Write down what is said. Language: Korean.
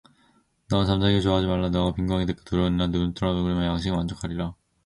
너는 잠자기를 좋아하지 말라 네가 빈궁하게 될까 두려우니라 네 눈을 뜨라 그리하면 양식에 족하리라